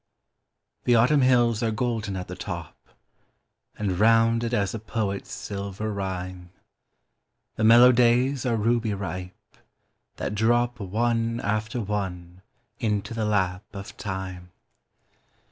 The Autumn hills are golden at the top, And rounded as a poet's silver rhyme; The mellow days are ruby ripe, that drop One after one into the lap of time.